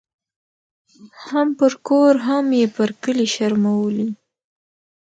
هم پر کور هم یې پر کلي شرمولې